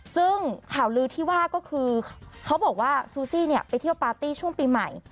ซึ่งข่าวลือที่ว่าก็คือเขาบอกว่าซูซี่เนี่ยไปเที่ยวปาร์ตี้ช่วงปีใหม่